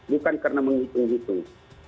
bukan karena menghitung hitung